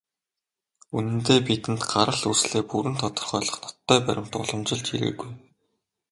Үнэндээ, бидэнд гарал үүслээ бүрэн тодорхойлох ноттой баримт уламжилж ирээгүй.